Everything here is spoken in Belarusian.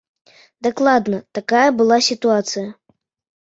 Дакладна такая была сітуацыя.